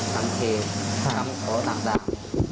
ทางเพจทางของต่าง